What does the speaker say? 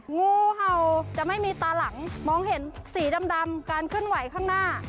งูเห่าจะไม่มีตาหลังมองเห็นสีดำการเคลื่อนไหวข้างหน้า